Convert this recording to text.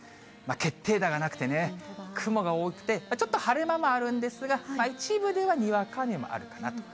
決定打がなくてね、雲が多くて、ちょっと晴れ間もあるんですが、一部ではにわか雨もあるかなと。